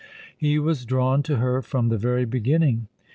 He was drawn to her from the very beginning.